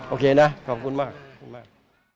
โอเคนะขอบคุณมากขอบคุณมาก